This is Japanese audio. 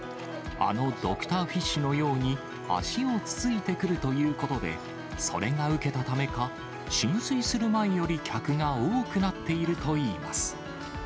あのドクターフィッシュのように、足をつついてくるということで、それが受けたためか、浸水する前より客が多くなっているといいます。